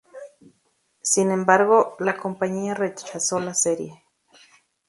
Sin embargo, la compañía rechazó la serie.